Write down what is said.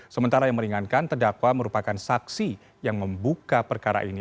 sementara yang meringankan terdakwa merupakan saksi yang membuka perkara ini